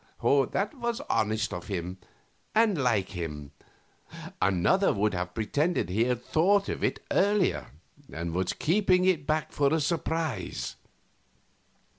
That was honest of him, and like him; another would have pretended he had thought of it earlier, and was keeping it back for a surprise.